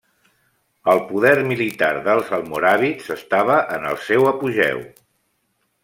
El poder militar dels almoràvits estava en el seu apogeu.